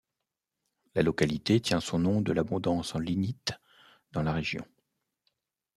La localité tient son nom de l’abondance en lignite dans la région.